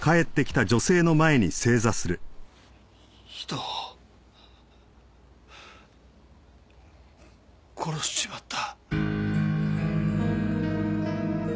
人を殺しちまった。